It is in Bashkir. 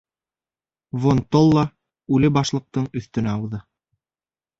Вон-толла үле башлыҡтың өҫтөнә ауҙы.